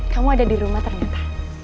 kamu ada di rumah ternyata